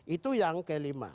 itu yang kelima